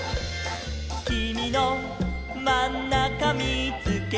「きみのまんなかみーつけた」